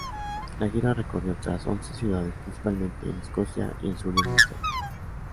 La gira recorrió otras once ciudades, principalmente en Escocia y el sur de Inglaterra.